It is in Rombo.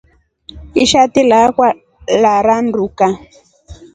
Ishati lakwa laranduka.